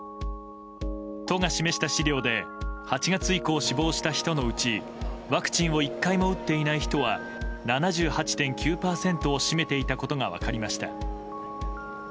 都が示した資料で８月以降、死亡した人のうちワクチンを１回も打っていない人は７８．９％を占めていたことが分かりました。